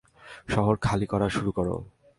শহর খালি করা শুরু করো।